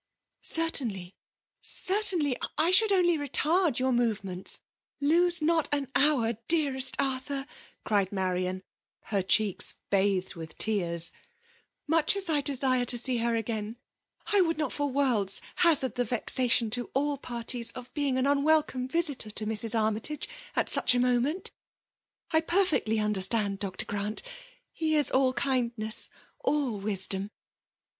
*'*' Certainly — certainly — I should only retaid your movements; lose not an liour, dearest Arthur r* cried Marian, her cheeks bathed with tears. '' Much as I desire to see her again, I wienrid not fer worlds hazard the vexation to att paxties ^ being an mnwekome Ha^at tf Mrs. Armytage at such a m<»nent IperCaeUy g2 124 FEMAtS T>OMlNATtOKi unclerstand Dr. Grant. He is all kindness, all wisdom.